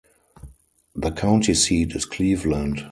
The county seat is Cleveland.